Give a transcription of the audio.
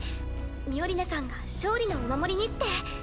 ミオリネさんが勝利のお守りにって。